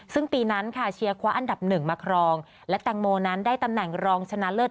ซึ่งปีนั้นค่ะเชียร์คว้าอันดับหนึ่งมาครองและแตงโมนั้นได้ตำแหน่งรองชนะเลิศ